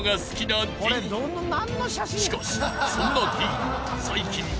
［しかしそんな］